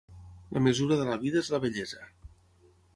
La mesura de la vida és la vellesa.